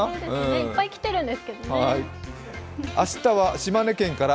いっぱい来てるんですけどね。